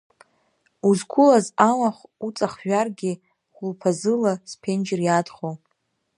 Узқәылаз амахә уҵахжәаргьы хәылԥазыла сԥенџьыр иадхо.